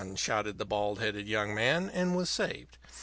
shouted the bald headed young man, and was saved.